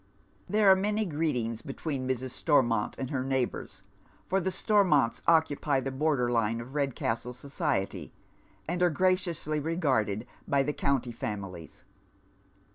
There are many greetings between Mrs. Stormont and her neighbours — ^f or the Stormonts occupy the border line of £ed casile society, and are graciously regarded by the county families.